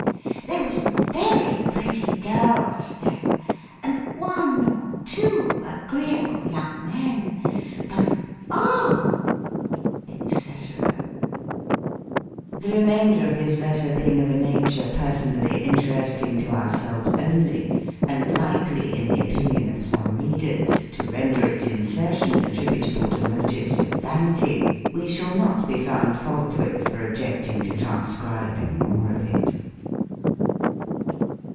There were some very pretty girls there, and one or two agreeable young men ; but oh! &ic. The remainder of this letter being of a nature person ally interesting to ourselves only, and likely, in the opinion of some readers, to render its insertion attributa ble to motives of vanity, we shall not ^e found fault with for objecting to transcribe any morp of it.